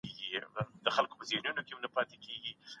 او موږ یې ترلاسه کوو.